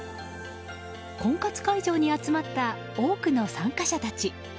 婚活会場に集まった多くの参加者たち。